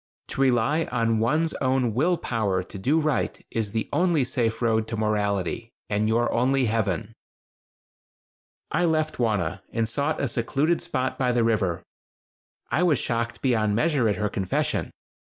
To rely on one's own will power to do right is the only safe road to morality, and your only heaven." I left Wauna and sought a secluded spot by the river. I was shocked beyond measure at her confession.